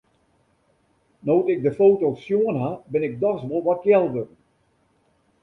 No't ik de foto's sjoen ha, bin ik dochs wol wat kjel wurden.